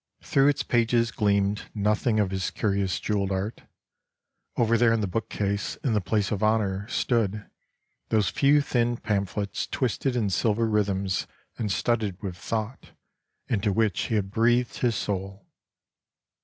Through its pages gleamed nothing of his curious jewelled art; over there in the bookcase, in the place of honor stood, those few thin pamphlets twisted in silver rhythms and studded with thought, into which he had breathed his soul.